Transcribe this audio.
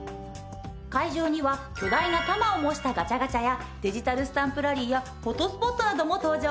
会場には巨大なタマを模したガチャガチャやデジタルスタンプラリーやフォトスポットなども登場。